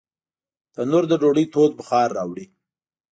تنور د ډوډۍ تود بخار راوړي